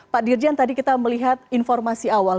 pak dirjen tadi kita melihat informasi awal